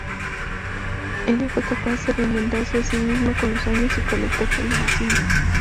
Ella fue capaz de reinventarse a sí misma con los años y conectar generaciones.